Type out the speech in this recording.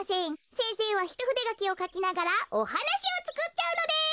せんせいはひとふでがきをかきながらおはなしをつくっちゃうのです。